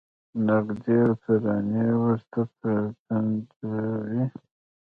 نغمې او ترانې ورته پنځوي.